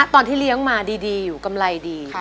ตอนที่เลี้ยงมาดีอยู่กำไรดี